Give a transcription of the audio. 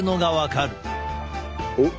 おっ。